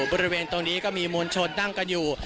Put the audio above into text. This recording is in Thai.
บริเวณตรงนี้ก็มีมวลชนนั่งกันอยู่